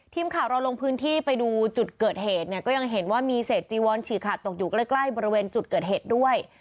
ทีมข่าวเราลงพื้นที่ไปดูจุดเกิดเหตุเนี่ยก็ยังเห็นว่ามีเศษจีวอนฉีกขาดตกอยู่ใกล้ใกล้บริเวณจุดเกิดเหตุด้วย